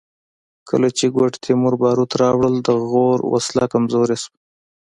کله چې ګوډ تیمور باروت راوړل د غور وسله کمزورې شوه